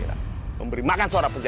tapi buried udah di sombong